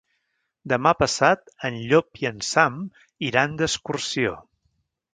Demà passat en Llop i en Sam iran d'excursió.